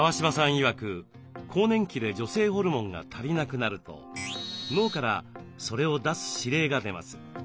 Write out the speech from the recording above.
いわく更年期で女性ホルモンが足りなくなると脳からそれを出す指令が出ます。